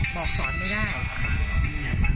บอกสอนไม่ได้เตือนไม่ได้คนอย่างงี้เลยนะ